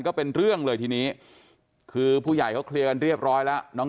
ก็เป็นเรื่องเลยทีนี้คือผู้ใหญ่เขาเคลียร์กันเรียบร้อยแล้วน้อง